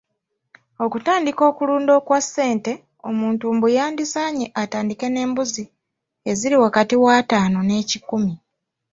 Okutandika okulunda okwa ssente omuntu mbu yandisaanye atandike n'embuzi eziri wakati w'ataano n'ekikumi.